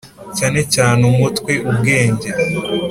Cyane cyane umutwe ubwenge